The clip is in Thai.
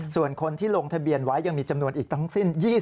ส่วนคนที่ลงทะเบียนไว้ยังมีจำนวนอีกทั้งสิ้น๒๐